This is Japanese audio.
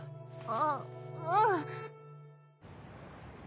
あっうん。